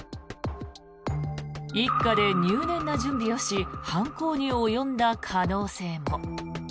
一家で入念な準備をし犯行に及んだ可能性も。